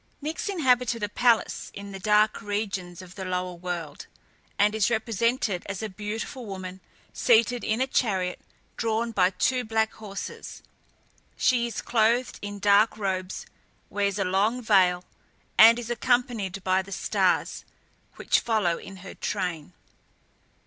Nyx inhabited a palace in the dark regions of the lower world, and is represented as a beautiful woman, seated in a chariot, drawn by two black horses. She is clothed in dark robes, wears a long veil, and is accompanied by the stars, which follow in her train.